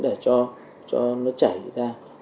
để cho nó chảy ra